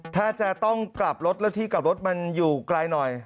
ถ้าจะต้องกลับรถแล้วที่กลับรถมันอยู่ไกลหน่อย